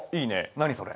何それ？